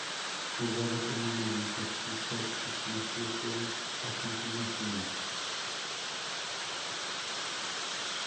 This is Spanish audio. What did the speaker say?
Jugaba como mediocampista y su primer club fue Argentinos Juniors.